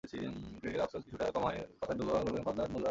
ত্রেজেগের আফসোস কিছুটা কমার কথা সৌদি আরবের ফাহাদ আল মুয়াল্লাদকে দেখে।